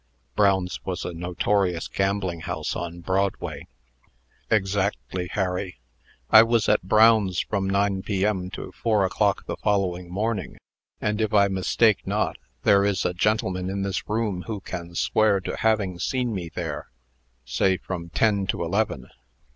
Brown's was a notorious gambling house on Broadway. "Exactly, Harry. I was at Brown's from nine P.M. to four o'clock the following morning. And, if I mistake not, there is a gentleman in this room who can swear to having seen me there, say from ten to eleven."